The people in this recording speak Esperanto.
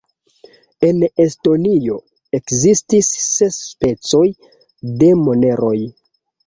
En Estonio ekzistis ses specoj de moneroj.